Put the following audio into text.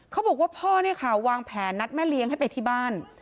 เขาบอกว่าพ่อเนี่ยค่ะวางแผนนัดแม่เลี้ยงให้ไปที่บ้าน